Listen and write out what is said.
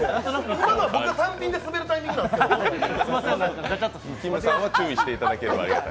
今のは僕が単品でスベるタイミングなんですけどきむさんは注意していただければありがたい。